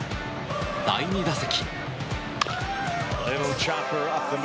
第２打席。